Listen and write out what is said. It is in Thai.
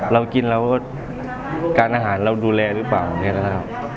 เรากินแล้วก็การอาหารเราดูแลรึเปล่านะครับ